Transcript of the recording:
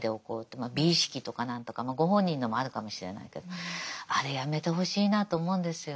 まあ美意識とか何とかご本人のもあるかもしれないけどあれやめてほしいなと思うんですよ。